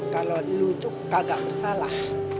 kalau lu itu kagak bersalah